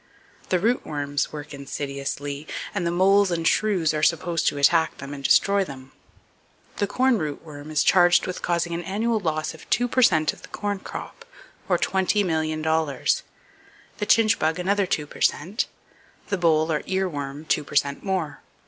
The root worms work insidiously, and the moles and shrews are supposed to attack them and destroy them. The corn root worm is charged with causing an annual loss of two per cent of the corn crop, or $20,000,000; the chinch bug another two per cent; the boll or ear worm two per cent more.